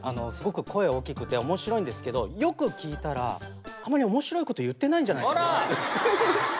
すごく声大きくて面白いんですけどよく聞いたらあんまり面白いこと言ってないんじゃないかな。